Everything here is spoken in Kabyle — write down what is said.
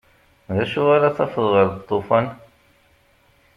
D acu ara tafeḍ ɣer lṭufan?